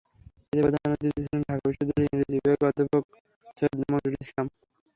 এতে প্রধান অতিথি ছিলেন ঢাকা বিশ্ববিদ্যালয়ের ইংরেজি বিভাগের অধ্যাপক সৈয়দ মনজুরুল ইসলাম।